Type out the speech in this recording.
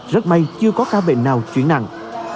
rất may chưa có cả bệnh nào chuyển nặng